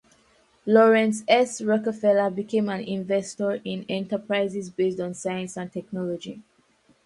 Laurance S. Rockefeller became an investor in enterprises based on science and technology.